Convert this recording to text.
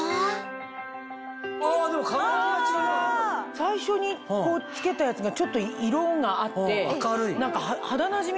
最初に着けたやつがちょっと色があって肌なじみ